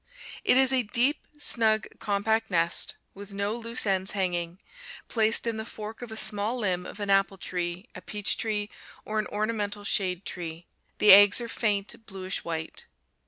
It is a deep, snug, compact nest, with no loose ends hanging, placed in the fork of a small limb of an apple tree, a peach tree, or an ornamental shade tree. The eggs are faint bluish white.